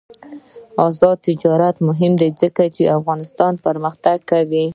آزاد تجارت مهم دی ځکه چې افغانستان پرمختګ کوي.